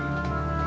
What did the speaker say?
apa melihat lelah